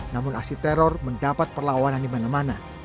namun asli teror mendapat perlawanan dimana mana